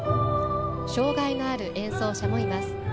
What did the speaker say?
障がいのある演奏者もいます。